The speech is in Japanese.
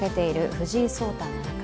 藤井聡太七冠。